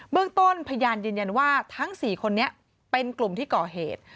เรื่องต้นพยานยืนยันว่าทั้ง๔คนนี้เป็นกลุ่มที่ก่อเหตุ